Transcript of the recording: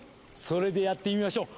それでやってみましょう。